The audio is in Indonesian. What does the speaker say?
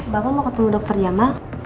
bapak mau ketemu dokter jamal